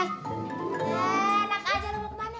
eh enak aja lu mau kemana